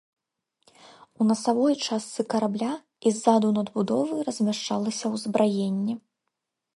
У насавой частцы карабля і ззаду надбудовы размяшчалася ўзбраенне.